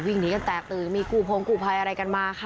วิ่งหนีกันแตกตื่นมีกูพงกู้ภัยอะไรกันมาค่ะ